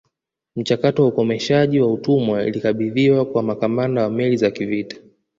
Mchakato wa ukomeshaji wa utumwa ilikabidhiwa kwa makamanda wa meli za kivita